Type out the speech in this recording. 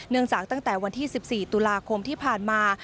เนื่องจากตั้งแต่วันที่๑๔ตุลาคมที่ผ่านมา